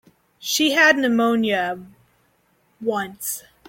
She had pneumonia once.